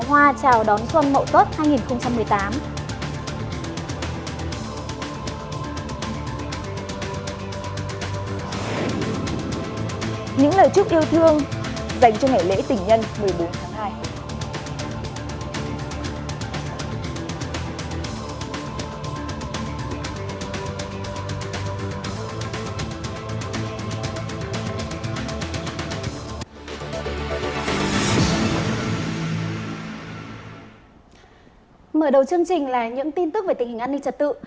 mở đầu chương trình là những tin tức về tình hình an ninh trật tự